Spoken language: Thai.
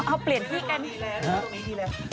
อ้าวเปลี่ยนที่กัน